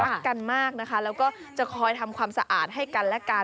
รักกันมากนะคะแล้วก็จะคอยทำความสะอาดให้กันและกัน